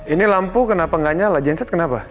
ini lampu kenapa gak nyala janset kenapa